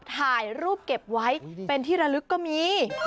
ถ่ายรูปเก็บไว้เป็นที่ระลึกก็มี